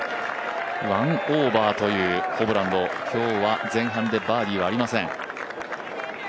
１オーバーというホブランド今日は前半でバーディーはありません。